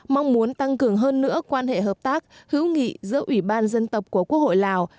mong muốn tăng cường hơn nữa quan hệ hợp tác hữu nghị giữa ủy ban dân tộc của quốc hội lào